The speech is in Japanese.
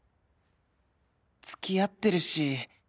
付き合ってるし